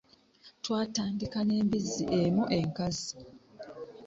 Twatandika n'embizzi emu enkazi.